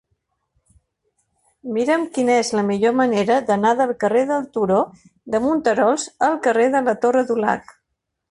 Mira'm quina és la millor manera d'anar del carrer del Turó de Monterols al carrer de la Torre Dulac.